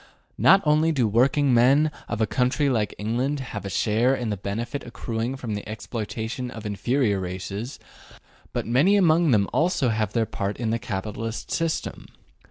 Not only do the working men of a country like England have a share in the benefit accruing from the exploitation of inferior races, but many among them also have their part in the capitalist system.